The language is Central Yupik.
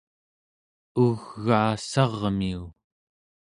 ugaassarmiu